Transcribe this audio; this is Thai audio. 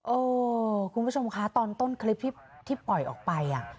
โอ้คุณผู้ชมค่ะตอนต้นคลิปที่ที่ปล่อยออกไปอ่ะ